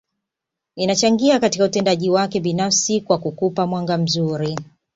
Inachangia katika utendaji wako binafsi wa kukupa mwanga mzuri